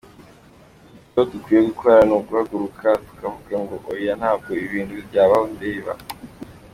Icyo dukwiye gukora ni uguhaguruka, tukavuga ngo oya ntabwo ibi bintu byabaho ndeba.